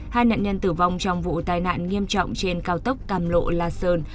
hai nạn nhân tử vong trong vụ tai nạn nghiêm trọng trên cao tốc cam lộ la sơn